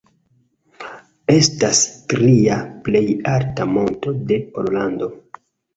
Estas tria plej alta monto de Pollando.